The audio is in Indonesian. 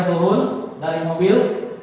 turun dari mobil